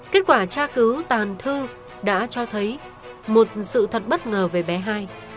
kết quả tra cứu tàn thư đã cho thấy một sự thật bất ngờ về bé hai